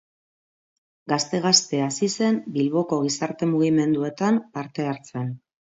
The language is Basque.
Gazte-gazte hasi zen Bilboko gizarte-mugimenduetan parte hartzen.